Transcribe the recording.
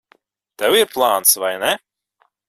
Tev ir plāns, vai ne?